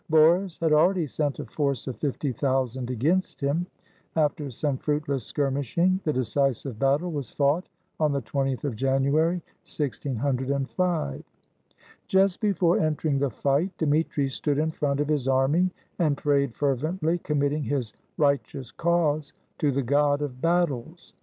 Boris had already sent a force of fifty thousand against him. After some fruitless skir mishing, the decisive battle was fought on the 20th of January, 1605. Just before entering the fight, Dmitri stood in front of his army, and prayed fervently, committing his right eous cause to the God of battles.